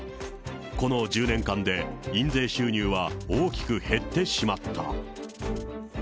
この１０年間で、印税収入は大きく減ってしまった。